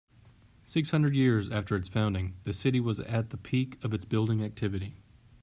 Six hundred years after its founding, the city was at the peak of its building activity.